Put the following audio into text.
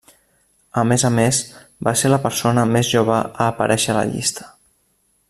A més a més, va ser la persona més jove a aparèixer a la llista.